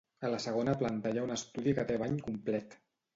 A la segona planta hi ha un estudi que té bany complet.